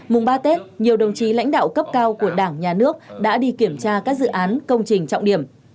mùng ba tết nhiều đồng chí lãnh đạo cấp cao của đảng nhà nước đã đi kiểm tra các dự án công trình trọng điểm